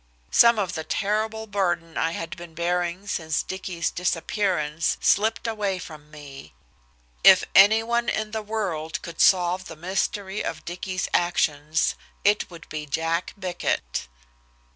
Some of the terrible burden I had been bearing since Dicky's disappearance slipped away from me. If anyone in the world could solve the mystery of Dicky's actions, it would be Jack Bickett. Dr.